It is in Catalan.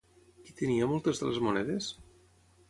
Qui tenia moltes de les monedes?